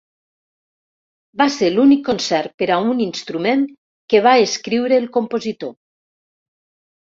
Va ser l'únic concert per a un instrument que va escriure el compositor.